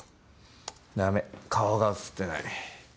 だめ顔が映ってない。